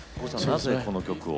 なぜこの曲を？